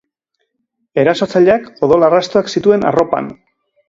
Erasotzaileak odol-arrastoak zituen arropan.